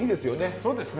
そうですね。